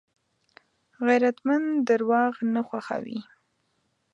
غیرتمند درواغ نه خوښوي